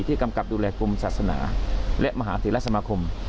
ที่กำกับดูแลกลมศาสนาและมหาธิรัฐสมาคม